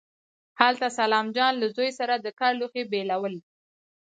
هلته سلام جان له زوی سره د کار لوښي بېلول.